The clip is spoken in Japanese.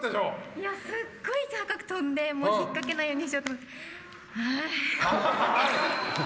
いやすっごい高く跳んで引っかけないようにしようと思って。